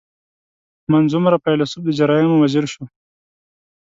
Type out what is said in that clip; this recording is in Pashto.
• منځ عمره فېلېسوف د جرایمو وزیر شو.